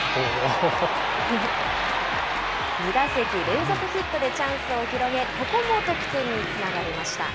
２打席連続ヒットでチャンスを広げ、ここも得点につながりました。